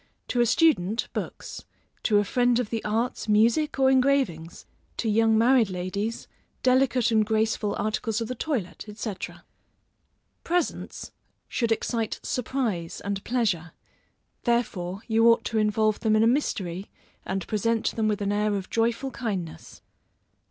to a student, books; to a friend of the arts, music, or engravings; to young married ladies, delicate and graceful articles of the toilet, &c. Presents should excite surprise and pleasure, therefore you ought to involve them in a mystery, and present them with an air of joyful kindness.